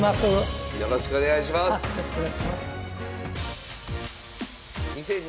よろしくお願いします。